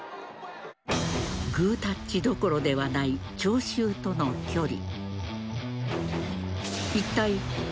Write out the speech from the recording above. グータッチどころではない聴衆との距離。